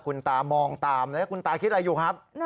คุณตามองตามแล้วคุณตาคิดอะไรอยู่ครับ